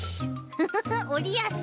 フフフおりやすい。